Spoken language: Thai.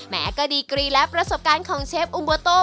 แม้ก็ดีกรีและประสบการณ์ของเชฟอุมโบโต้